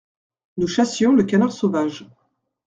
Nous chassions le canard sauvage…